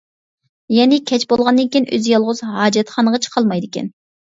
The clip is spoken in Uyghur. يەنى كەچ بولغاندىن كىيىن ئۆزى يالغۇز ھاجەتخانىغا چىقالمايدىكەن.